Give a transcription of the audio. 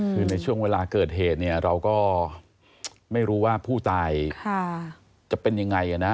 คือในช่วงเวลาเกิดเหตุเนี่ยเราก็ไม่รู้ว่าผู้ตายจะเป็นยังไงนะ